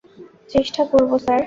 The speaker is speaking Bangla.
চেষ্টা করব, স্যার।